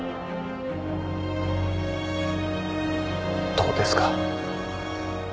どうですか？